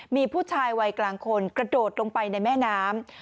มีผู้ชายวัยกลางคนกระโดดลงไปในแม่น้ำ